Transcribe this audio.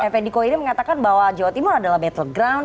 fndku ini mengatakan bahwa jawa timur adalah battleground